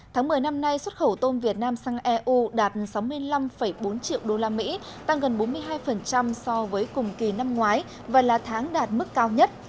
tháng một mươi năm nay xuất khẩu tôm việt nam sang eu đạt sáu mươi năm bốn triệu usd tăng gần bốn mươi hai so với cùng kỳ năm ngoái và là tháng đạt mức cao nhất